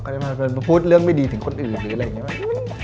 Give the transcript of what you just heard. ก็ได้มาพูดเรื่องไม่ดีถึงคนอื่นหรืออะไรอย่างเงี้ย